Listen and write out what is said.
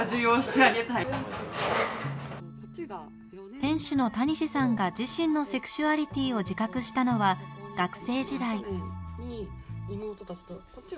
店主のたにしさんが自身のセクシュアリティーを自覚したのは学生時代。